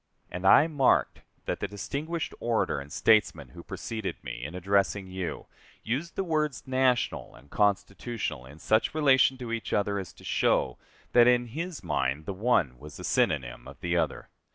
And I marked that the distinguished orator and statesman who preceded me, in addressing you, used the words "national" and "constitutional" in such relation to each other as to show that in his mind the one was a synonym of the other.